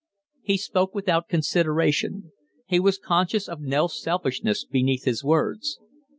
He spoke without consideration. He was conscious of no selfishness beneath his words.